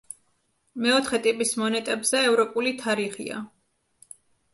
მეოთხე ტიპის მონეტებზე ევროპული თარიღია.